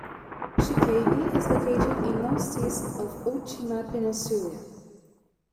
Shikabe is located in northeast of Oshima Peninsula.